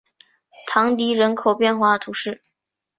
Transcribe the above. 唐迪人口变化图示